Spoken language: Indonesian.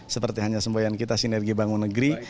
seperti hanya semboyan kita sinergi bangun negeri